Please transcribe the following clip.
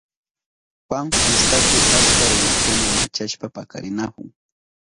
Juan fiestapi achka runakuna machashpa pakarinahun.